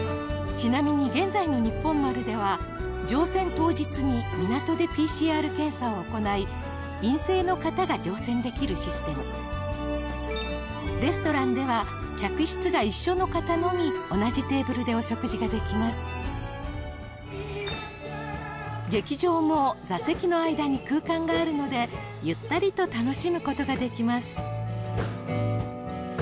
ちなみに現在のにっぽん丸では乗船当日に港でＰＣＲ検査を行い陰性の方が乗船できるシステムレストランでは客室が一緒の方のみ同じテーブルでお食事ができます劇場も座席の間に空間があるのでゆったりと楽しむことができます